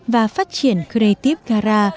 và phát triển creative dara